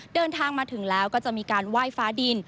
เดินทางมาถึงแล้วก็จะมีการไหว้ฟ้าดิน